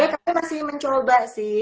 kami masih mencoba sih